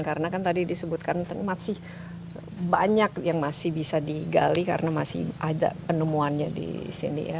karena kan tadi disebutkan masih banyak yang masih bisa digali karena masih ada penemuannya di sini ya